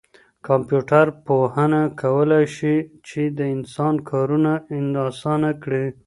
کمپيوټر پوهنه کولای شي چي د انسان کارونه اسانه کړي.